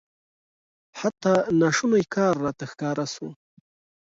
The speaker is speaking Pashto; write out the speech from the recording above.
حتی ناشونی کار راته ښکاره سو.